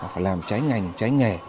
phải làm trái ngành trái nghề